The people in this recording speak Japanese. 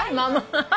ハハハ。